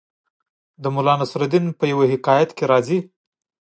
د ملا نصرالدین په یوه حکایت کې راځي